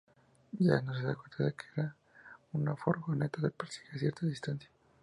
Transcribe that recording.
Jack no se da cuenta de que una furgoneta les persigue a cierta distancia.